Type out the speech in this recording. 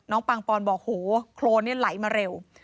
ปังปอนบอกโหโครนเนี่ยไหลมาเร็ว